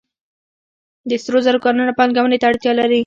د سرو زرو کانونه پانګونې ته اړتیا لري